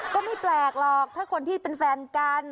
ก็ไม่แปลกหรอกถ้าคนที่เป็นแฟนกัน